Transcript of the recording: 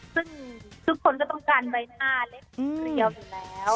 ซึ่งทุกคนก็ต้องการใบหน้าเล็บเรียวอยู่แล้ว